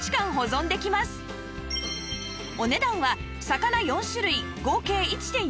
お値段は魚４種類合計 １．４ キロで